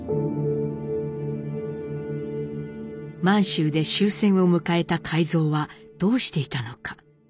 満州で終戦を迎えた海蔵はどうしていたのか。